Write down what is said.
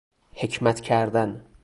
حکمت کردن